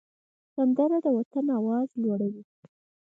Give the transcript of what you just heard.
سندره د وطن آواز لوړوي